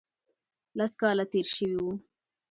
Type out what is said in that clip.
لس کاله تېر شوي وو.